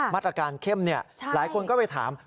มาตรการเข้มหลายคนก็ไปถาม